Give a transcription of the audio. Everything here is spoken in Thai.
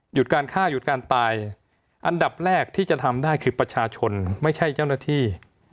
การฆ่าหยุดการตายอันดับแรกที่จะทำได้คือประชาชนไม่ใช่เจ้าหน้าที่